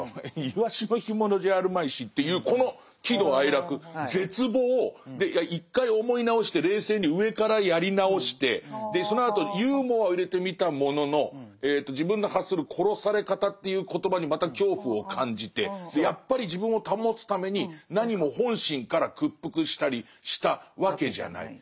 いわしの干物じゃあるまいし」っていうこの喜怒哀楽絶望で一回思い直して冷静に上からやり直してそのあとユーモアを入れてみたものの自分の発する「殺され方」という言葉にまた恐怖を感じてやっぱり自分を保つために「なにも本心から屈服したりしたわけじゃない」。